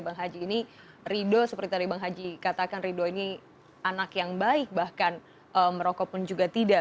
bang haji ini rido seperti tadi bang haji katakan ridho ini anak yang baik bahkan merokok pun juga tidak